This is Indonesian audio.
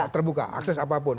terbuka akses apapun